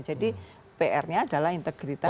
jadi pr nya adalah integritas